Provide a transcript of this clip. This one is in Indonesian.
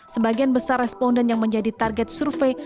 sebagian besar responden yang menjadi target survei